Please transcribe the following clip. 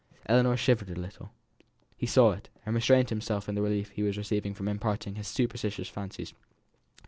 Ellinor shivered a little. He saw it, and restrained himself in the relief he was receiving from imparting his superstitious fancies.